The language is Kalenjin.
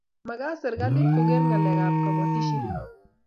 magat serekalit koker ngalek ab kabatishiet